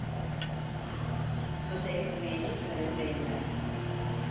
Kadı ekmeğini karınca yemez.